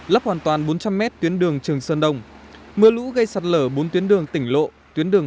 lấp hoàn toàn bốn trăm linh mét tuyến đường trường sơn đông mưa lũ gây sạt lở bốn tuyến đường tỉnh lộ tuyến đường